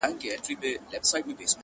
که یې مږور وه که یې زوی که یې لمسیان وه٫